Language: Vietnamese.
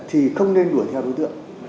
thì không nên đuổi theo đối tượng